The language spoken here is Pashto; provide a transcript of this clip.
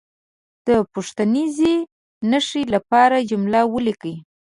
د پوښتنیزې نښې لپاره جمله ولیکي.